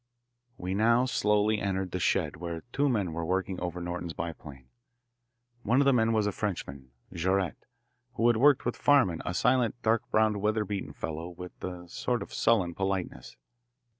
We now slowly entered the shed where two men were working over Norton's biplane. One of the men was a Frenchman, Jaurette, who had worked with Farman, a silent, dark browed, weatherbeaten fellow with a sort of sullen politeness.